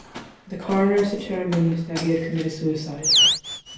The coroners determined that he had committed suicide.